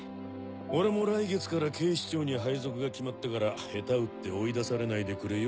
俺も来月から警視庁に配属が決まったから下手打って追い出されないでくれよ？